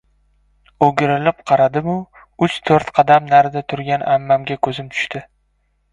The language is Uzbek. O‘girilib qaradimu uch-to‘rt qadam narida turgan ammamga ko‘zim tushdi.